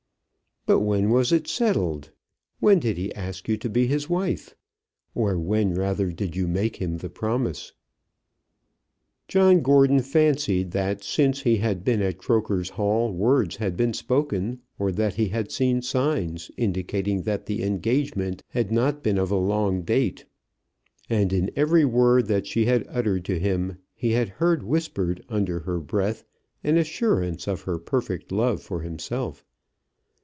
"But when was it settled? When did he ask you to be his wife? Or when, rather, did you make him the promise?" John Gordon fancied that since he had been at Croker's Hall words had been spoken, or that he had seen signs, indicating that the engagement had not been of a long date. And in every word that she had uttered to him he had heard whispered under her breath an assurance of her perfect love for himself.